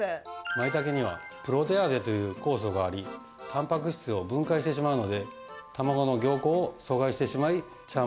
マイタケにはプロテアーゼという酵素がありたんぱく質を分解してしまうので卵の凝固を阻害してしまい茶わん